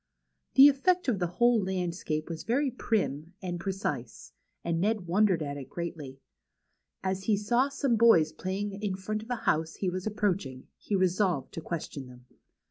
The effect of the whole landscape was very prim and precise, and Ned wondered at it greatly. As he saw some 58 THE CHILDREN'S WONDER BOOK. boys playing in front of a house he was approaching, he resolved to question them.